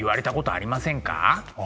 ああ！